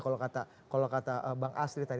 kalau kata bang asri tadi